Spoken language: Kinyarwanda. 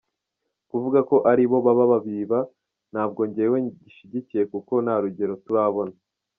"Kuvuga ko aribo baba babiba, ntabwo njyewe ngishigikiye kuko nta rugero turabona.